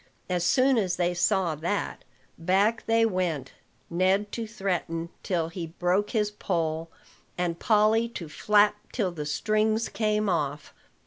As soon as they saw that, back they went, Ned to threaten till he broke his pole, and Polly to flap till the strings came off.